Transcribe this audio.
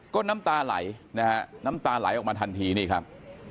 ก็น้ำตาไหลนะฮะน้ำตาไหลออกมาทันทีนี่ครับ